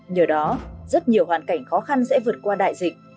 nhờ đó rất nhiều hoàn cảnh khó khăn sẽ vượt qua đại dịch